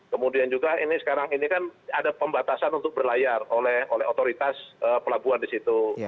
kemudian juga ini sekarang ini kan ada pembatasan untuk berlayar oleh otoritas pelabuhan di situ